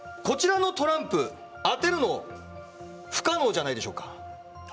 こちらのトランプ、当てるの不可能じゃないでしょうか。